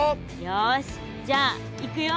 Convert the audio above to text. よしじゃあいくよ。